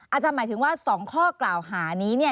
อาจารย์หมายถึงว่า๒ข้อกล่าวหานี้